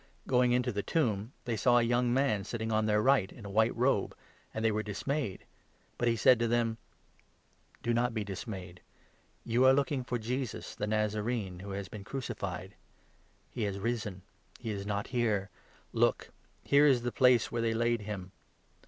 Going into the tomb, 5 they saw a young man sitting on their right, in a white robe, and they were dismayed. But he said to them : 6 "Do not be dismayed; you are looking for Jesus, the Nazarene, who has been crucified ; he has risen, he is not here ! Look ! Here is the place where they laid him.